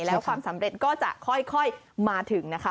แล้วความสำเร็จก็จะค่อยมาถึงนะคะ